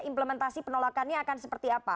implementasi penolakannya akan seperti apa